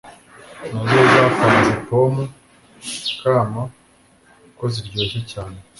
nazo zapanze pome kama ko ziryoshye cyane